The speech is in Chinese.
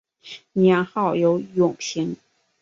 年号有永平。